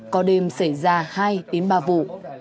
có đêm xảy ra hai đến ba vụ